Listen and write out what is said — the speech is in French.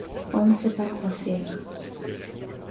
On ne sait pas quoi faire.